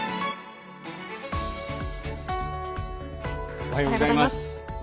おはようございます。